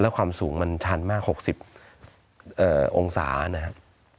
ความสูงมันชันมาก๖๐องศานะครับ